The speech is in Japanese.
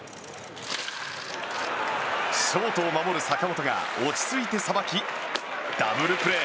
ショートを守る坂本が落ち着いてさばきダブルプレー。